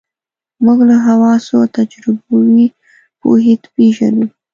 موږ له حواسو او تجربوي پوهې پېژنو.